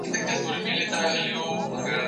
کېدای سي کالي لمد وي!؟